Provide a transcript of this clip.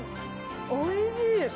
おいしい！